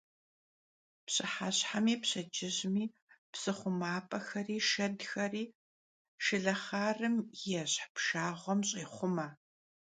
Pşıheşhemi pşedcıjmi psı xhumap'exeri şşedxeri şşılexharım yêşh pşşağuem ş'êxhume.